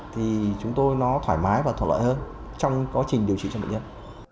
thì chúng tôi nó thoải mái và thuận lợi hơn trong quá trình điều trị cho bệnh nhân